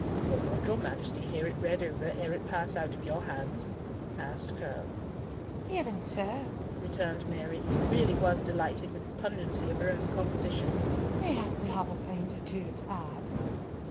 "Will not your Majesty hear it read over ere it pass out of your hands?" asked Curll. "Even so," returned Mary, who really was delighted with the pungency of her own composition. "Mayhap we may have a point or two to add."